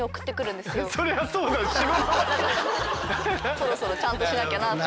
そろそろちゃんとしなきゃなと。